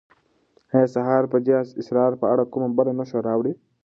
آیا سهار به د دې اسرار په اړه کومه بله نښه راوړي؟